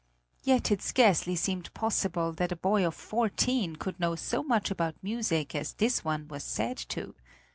Yet it scarcely seemed possible that a boy of fourteen could know so much about music as this one was said to.